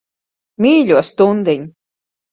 Mīļo stundiņ.